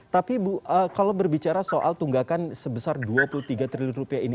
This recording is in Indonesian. tapi bu kalau berbicara soal tunggakan sebesar rp dua puluh tiga triliun ini